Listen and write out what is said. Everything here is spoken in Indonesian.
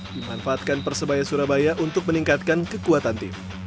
dimanfaatkan persebaya surabaya untuk meningkatkan kekuatan tim